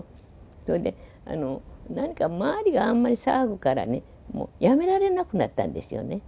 それで、なんか周りがあんま騒ぐからね、やめられなくなったんですよね。